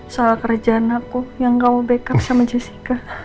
soal kerjaan aku yang kamu backup sama jessica